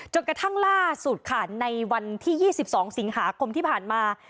กระทั่งล่าสุดค่ะในวันที่๒๒สิงหาคมที่ผ่านมา